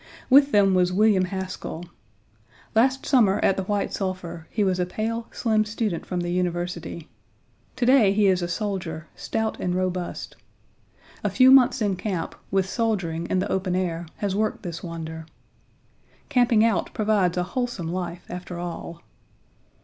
With them was William Haskell. Last summer at the White Sulphur he was a pale, slim student from the university. To day he is a soldier, stout and robust. A few months in camp, with soldiering in the open air, has worked this wonder. Camping out proves a wholesome life after all.